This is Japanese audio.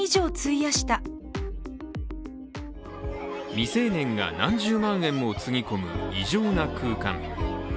未成年が何十万円もつぎ込む異常な空間。